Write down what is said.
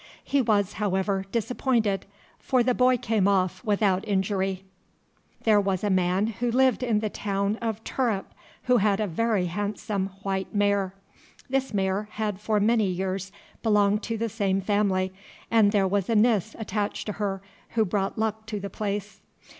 He was, however, disappointed, for the boy came off without injury. There was a man who lived in the town of Tirup who had a very handsome white mare. This mare had for many years belonged to the same family, and there was a Nis attached to her who brought luck to the place.